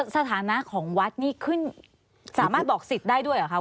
สถานะของวัดนี่ขึ้นสามารถบอกสิทธิ์ได้ด้วยเหรอคะ